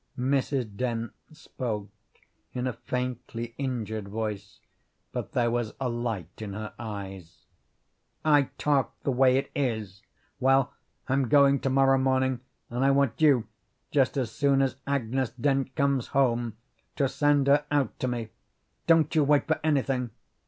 Mrs. Dent spoke in a faintly injured voice, but there was a light in her eyes. "I talk the way it is. Well, I'm going to morrow morning, and I want you, just as soon as Agnes Dent comes home, to send her out to me. Don't you wait for anything.